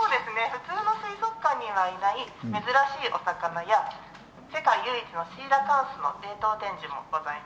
普通の水族館にはいない珍しいお魚や世界唯一のシーラカンスの冷凍展示もございます。